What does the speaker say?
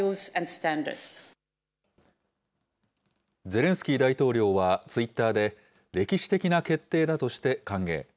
ゼレンスキー大統領はツイッターで、歴史的な決定だとして歓迎。